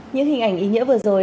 những hình ảnh ý nghĩa vừa rồi